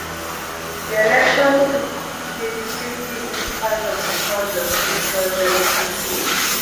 The election took place safely in spite of a surge of insurgent activity.